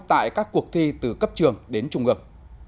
tại các cuộc thi từ cấp trường đến trung ước